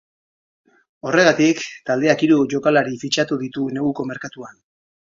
Horregatik, taldeak hiru jokalari fitxatu ditu neguko merkatuan.